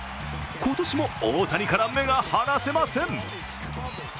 今年も大谷から目が離せません。